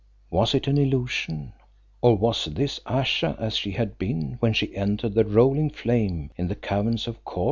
Was it an illusion, or was this Ayesha as she had been when she entered the rolling flame in the caverns of Kôr?